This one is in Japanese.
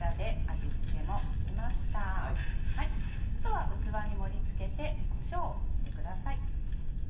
あとは器に盛り付けてこしょうを振ってください。